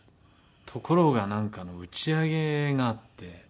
ところがなんかの打ち上げがあって。